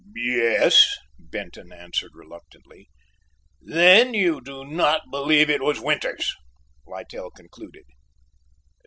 "Yes," Benton answered reluctantly. "Then you do not believe it was Winters?" Littell concluded.